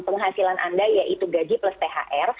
penghasilan anda yaitu gaji plus thr